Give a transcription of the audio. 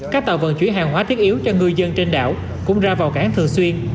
các tàu vận chuyển hàng hóa thiết yếu cho ngư dân trên đảo cũng ra vào cảng thường xuyên